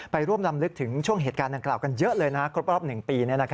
ร่วมลำลึกถึงช่วงเหตุการณ์ดังกล่าวกันเยอะเลยนะครบรอบ๑ปี